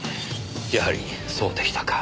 やはりそうでしたか。